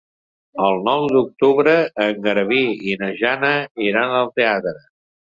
El nou d'octubre en Garbí i na Jana iran al teatre.